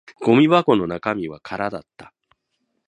ゴミ箱の中身は空だった